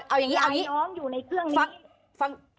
เอาอย่างนี้เอาอย่างนี้